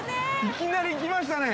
いきなり来ましたね。